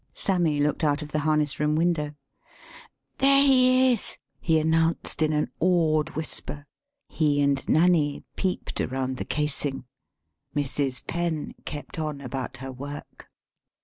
] Sammy looked out of the harness room win dow. "There he is," he announced, in an awed whisper. [He and Nanny peeped around the casing. Mrs. Penn kept on about her work.